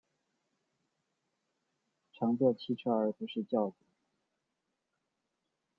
乘坐汽车而不是轿子